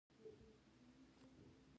د کابل په سروبي کې د سمنټو مواد شته.